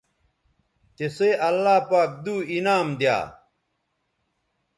تسئ اللہ پاک دو انعام دی یا